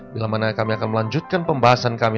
bila mana kami akan melanjutkan pembahasan kami